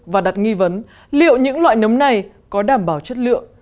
và đặt nghi vấn liệu những loại nấm này có đảm bảo chất lượng